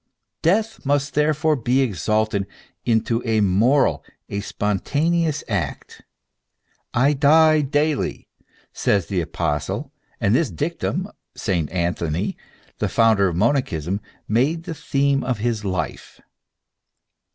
Death must therefore be exalted into a moral, a spontaneous act. " I die daily," says the apostle, and this dictum Saint Anthony, the founder of mona chism,f made the theme of his life.